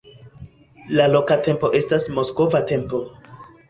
La loka tempo estas moskva tempo.